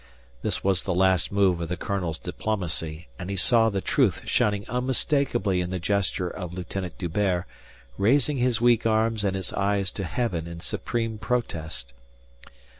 This was the last move of the colonel's diplomacy, and he saw the truth shining unmistakably in the gesture of Lieutenant D'Hubert, raising his weak arms and his eyes to heaven in supreme protest.